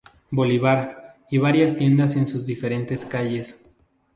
Bolívar y varias tiendas en sus diferentes calles.